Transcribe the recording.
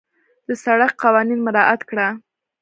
د سړک قوانين مراعت کړه.